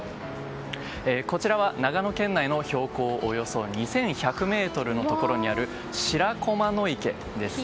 こちらは長野県内の標高およそ２１００ｍのところにある白駒の池です。